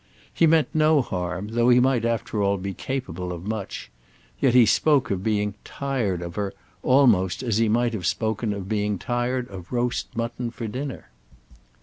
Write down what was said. He meant no harm, though he might after all be capable of much; yet he spoke of being "tired" of her almost as he might have spoken of being tired of roast mutton for dinner.